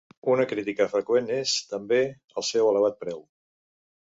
Una crítica freqüent és, també, el seu elevat preu.